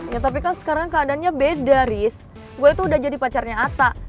ya tapi kan sekarang keadaannya beda riz gue tuh udah jadi pacarnya ata